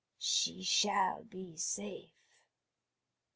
She shall be safe.